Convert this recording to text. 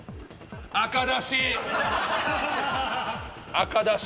赤だし。